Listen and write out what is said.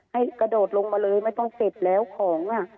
ให้กระโดดลงมาเลยไม่ต้องเก็บแล้วของ